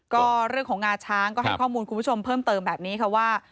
ก็เรื่องของงาช้างก็ให้ข้อมูลคุณผู้ชมเพิ่มเติมแบบนี้ค่ะว่า